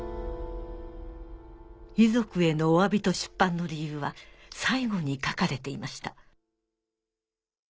遺族へのおわびと出版の理由は最後に書かれていました